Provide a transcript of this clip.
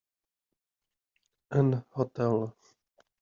An hotel.